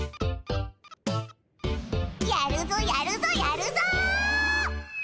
やるぞやるぞやるぞ！